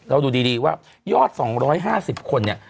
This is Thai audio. เราดูดีว่ายอด๒๕๐คนเนี่ย